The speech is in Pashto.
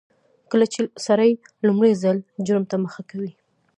کله چې سړی لومړي ځل جرم ته مخه کوي